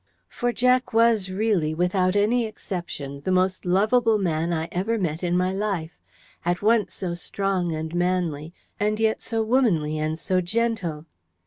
For Jack was really, without any exception, the most lovable man I ever met in my life at once so strong and manly, and yet so womanly and so gentle.